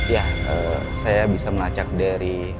ya saya bisa melacak dari